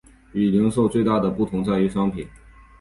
与零售最大的不同在于商品。